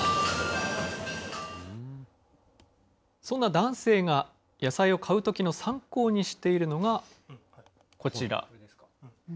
そんな男性が、野菜を買うときの参考にしているのが、こちら。